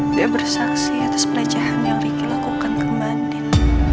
dia bersaksi atas pelecehan yang riki lakukan ke bandin